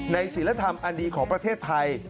ศิลธรรมอันดีของประเทศไทย